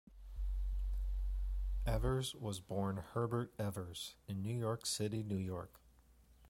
Evers was born Herbert Evers in New York City, New York.